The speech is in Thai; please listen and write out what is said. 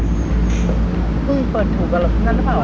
เพิ่งเปิดถูกกันหรือเป็นกันหรือเปล่า